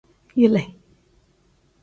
Yile.